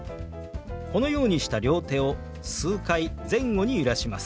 このようにした両手を数回前後に揺らします。